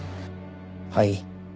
はい。